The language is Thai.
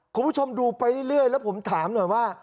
คุณผู้ชมดูไปเรื่อยแล้วผมถามหน่อยว่า